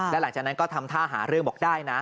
แล้วหลังจากนั้นก็ทำท่าหาเรื่องบอกได้นะ